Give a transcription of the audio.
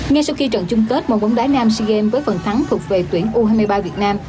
ngay sau khi trận chung kết một bóng đá nam sea games với phần thắng thuộc về tuyển u hai mươi ba việt nam